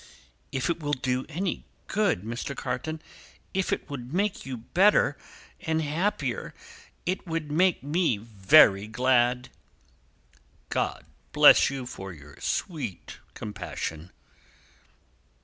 "If it will do you any good, Mr. Carton, if it would make you happier, it would make me very glad!" "God bless you for your sweet compassion!"